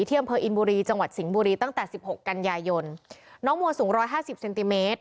อำเภออินบุรีจังหวัดสิงห์บุรีตั้งแต่สิบหกกันยายนน้องมัวสูงร้อยห้าสิบเซนติเมตร